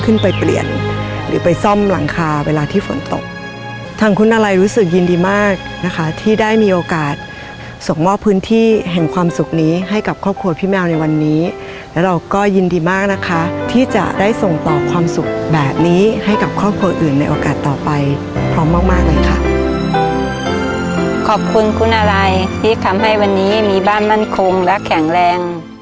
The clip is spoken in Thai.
ฝนตกทางคุณอะไรรู้สึกยินดีมากนะคะที่ได้มีโอกาสส่งมอบพื้นที่แห่งความสุขนี้ให้กับครอบครัวพี่แมวในวันนี้แล้วเราก็ยินดีมากนะคะที่จะได้ส่งต่อความสุขแบบนี้ให้กับครอบครัวอื่นในโอกาสต่อไปพร้อมมากมากเลยค่ะขอบคุณคุณอะไรที่ทำให้วันนี้มีบ้านมั่นคงและแข็งแรง